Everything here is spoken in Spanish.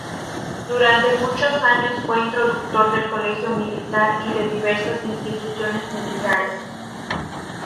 Durante muchos años fue instructor del Colegio Militar y de diversas instituciones militares.